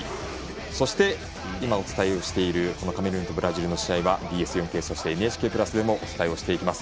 そして今お伝えしているカメルーンとブラジルの試合はＢＳ４Ｋ、「ＮＨＫプラス」でもお伝えします。